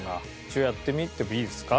やってみてもいいですか？